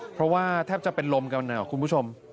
เพราะว่าแทบจะเป็นลมกันนะครับคุณผู้ชม